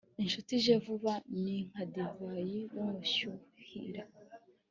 incuti ije vuba ni nka divayi y'umushyuhira